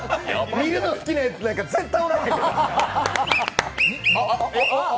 見るの好きなやつなんて絶対おらへんから。